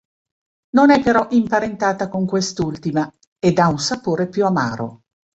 Non è però imparentata con quest'ultima ed ha un sapore più amaro.